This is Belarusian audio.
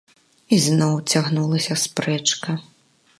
І зноў цягнулася спрэчка.